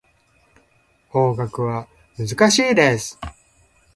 法学は難しいです。